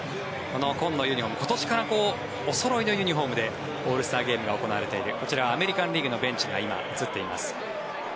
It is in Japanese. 紺のユニホーム今年からおそろいのユニホームでオールスターゲームが行われているこちらアメリカン・リーグのベンチが今、映っています。